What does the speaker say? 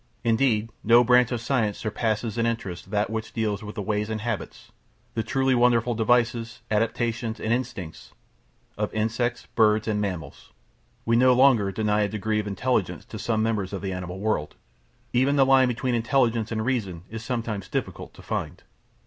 Indeed, no branch of science surpasses in interest that which deals with the ways and habits the truly wonderful devices, adaptations, and instincts of insects, birds, and mammals. We no longer deny a degree of intelligence to some members of the animal world even the line between intelligence and reason is sometimes difficult to find.